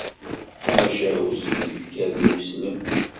Tamacahut n yifker d uslem.